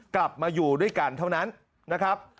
กลับมาอยู่ด้วยกันเท่านั้นนะครับ